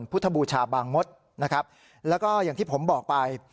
พุทธบูชาบางมศนะครับแล้วก็อย่างที่ผมบอกไป